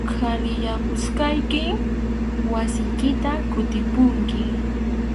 Qhaliyapuspayki wasiykita kutipunki.